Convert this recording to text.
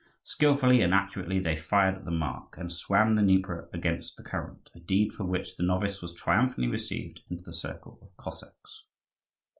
Skilfully and accurately they fired at the mark, and swam the Dnieper against the current a deed for which the novice was triumphantly received into the circle of Cossacks.